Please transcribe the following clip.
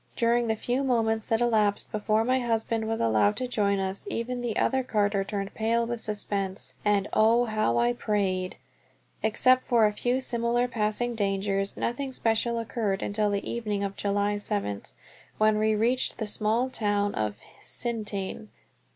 During the few moments that elapsed before my husband was allowed to join us even the carter turned pale with suspense, and oh, how I prayed! Except for a few similar passing dangers, nothing special occurred until the evening of July seventh, when we reached the small town of Hsintien.